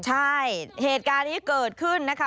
ใช่เหตุการณ์นี้เกิดขึ้นนะคะ